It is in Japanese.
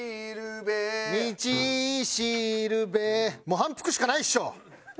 もう反復しかないっしょ！